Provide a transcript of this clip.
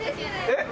えっ？